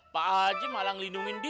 pak haji malah ngelindungin dia